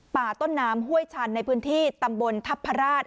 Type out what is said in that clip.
ต้นน้ำห้วยชันในพื้นที่ตำบลทัพพระราช